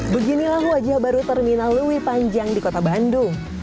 beginilah wajah baru terminal lewi panjang di kota bandung